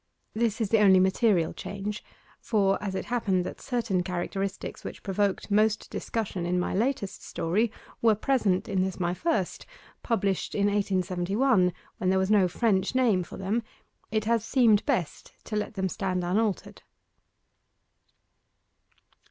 This is the only material change; for, as it happened that certain characteristics which provoked most discussion in my latest story were present in this my first published in 1871, when there was no French name for them it has seemed best to let them stand unaltered.